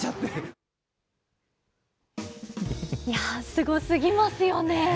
すごすぎますよね。